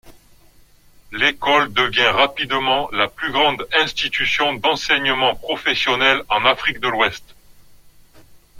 L'école devient rapidement la plus grande institution d'enseignement professionnel en Afrique de l'Ouest.